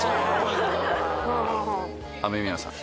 雨宮さん。